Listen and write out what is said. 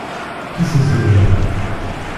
Qui c’est celui-là ?